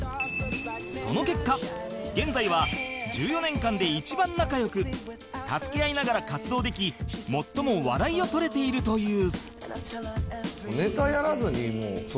その結果現在は１４年間で一番仲良く助け合いながら活動でき最も笑いを取れているという